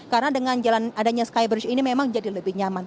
karena dengan jalan adanya skybridge ini memang jadi lebih nyaman